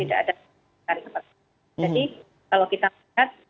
jadi kalau kita quieres berarti memang ada hubungan sudah maksudnya